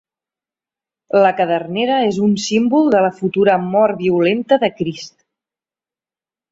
La cadernera és un símbol de la futura mort violenta de Crist.